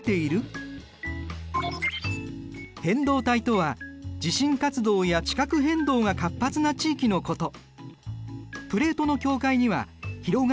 変動帯とは地震活動や地殻変動が活発な地域のこと。